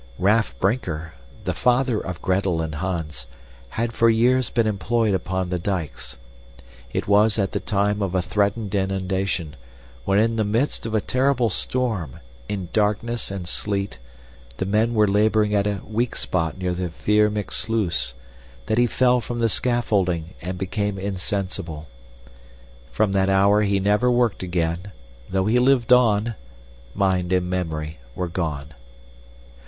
Raff Brinker, the father of Gretel and Hans, had for years been employed upon the dikes. It was at the time of a threatened inundation, when in the midst of a terrible storm, in darkness and sleet, the men were laboring at a weak spot near the Veermyk sluice, that he fell from the scaffolding and became insensible. From that hour he never worked again; though he lived on, mind and memory were gone.